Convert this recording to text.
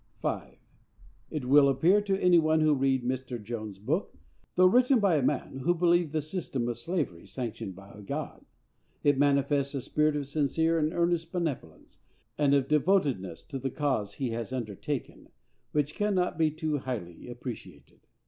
5. It will appear to any one who reads Mr. Jones' book that, though written by a man who believed the system of slavery sanctioned by God, it manifests a spirit of sincere and earnest benevolence, and of devotedness to the cause he has undertaken, which cannot be too highly appreciated.